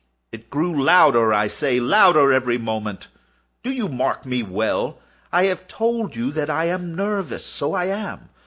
It grew louder, I say, louder every moment!—do you mark me well? I have told you that I am nervous: so I am.